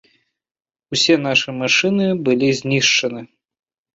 Усе нашы машыны былі знішчаны.